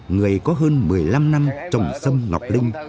người có hơn một mươi năm năm trồng sâm ngọc linh